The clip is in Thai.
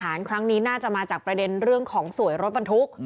ครั้งนี้น่าจะมาจากประเด็นเรื่องของสวยรถบรรทุก